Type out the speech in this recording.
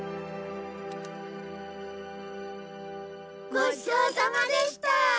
ごちそうさまでした！